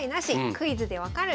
「クイズで分かる！